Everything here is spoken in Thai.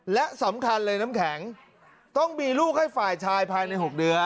และสำคัญเลยน้ำแข็งต้องมีลูกให้ฝ่ายชายภายใน๖เดือน